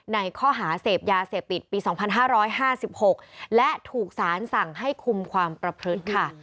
ในข้อหาเสพยาเสพติดปี๒๕๕๖และถูกสารสั่งให้คุมความประพฤติค่ะ